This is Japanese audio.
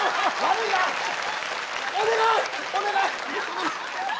お願い、お願い。